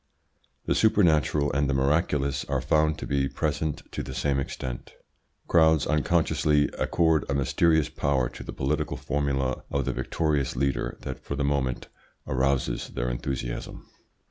The supernatural and the miraculous are found to be present to the same extent. Crowds unconsciously accord a mysterious power to the political formula or the victorious leader that for the moment arouses their enthusiasm.